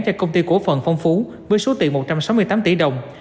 cho công ty cổ phần phong phú với số tiền một trăm sáu mươi tám tỷ đồng